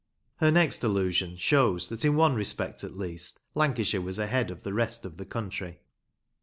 Her next allusion shows that in one respect at least Lancashire was ahead of the rest of the country.